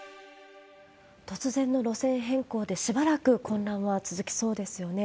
突然の路線変更で、しばらく混乱は続きそうですよね。